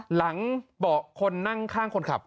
เบาะคนนั่งข้างคนขับ